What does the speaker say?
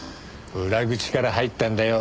裏口から入ったんだよ。